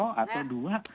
wani piroh atau dua